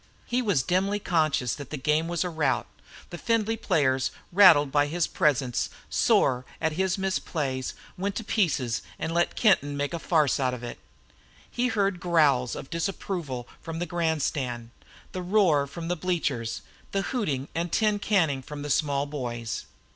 He was dimly conscious that the game was a rout; that the Findlay players, rattled by his presence, sore at his misplays, went to pieces and let Kenton make a farce out of it. He heard the growls of disapproval from the grandstand, the roar from the bleachers the hooting and tin canning from the small boys.